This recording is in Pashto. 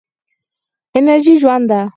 انرژي ژوند ده.